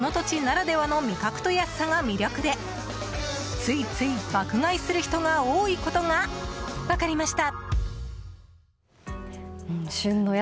ということで人気の直売所を調べてみたらその土地ならではの味覚と安さが魅力でついつい爆買いする人が多いことが分かりました。